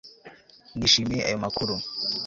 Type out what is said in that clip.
Nishimiye ayo makuru